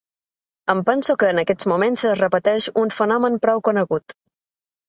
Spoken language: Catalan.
Em penso que en aquests moments es repeteix un fenomen prou conegut.